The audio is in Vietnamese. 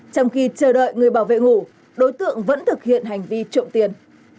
trong khi chờ đợi người bảo vệ ngủ đối tượng vẫn thực hiện hành vi trộm tiền